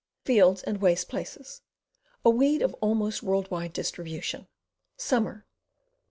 Fields and waste places. A weed of almost world wide distribution. Summer.